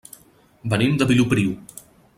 Venim de Vilopriu.